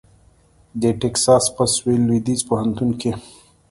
د ټیکساس په سوېل لوېدیځ پوهنتون کې